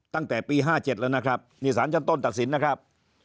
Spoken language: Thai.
ตั้งแต่ปีห้าเจ็ดแล้วนะครับนี่ศาลจันทนตัดสินนะครับ